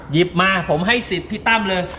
หยิบมาผมให้สิทธิ์พี่ตั้มเลย